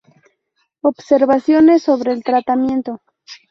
Observaciones sobre el tratamiento